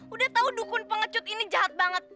udah tahu dukun pengecut ini jahat banget